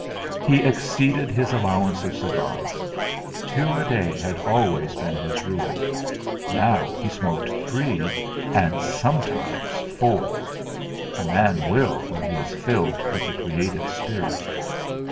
He exceeded his allowance of cigars. Two a day had always been his rule. Now he smoked three and sometimes four a man will when he is filled with the creative spirit.